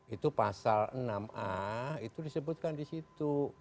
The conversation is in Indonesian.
itu pasal enam a itu disebutkan di situ